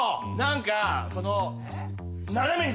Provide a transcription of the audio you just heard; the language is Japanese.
何か。